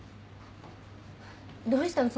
どうしたの？